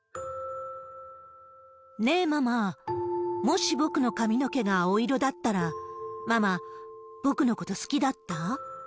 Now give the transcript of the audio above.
ねぇ、ママ、もし僕の髪の毛が青色だったら、ママ、僕のこと好きだった？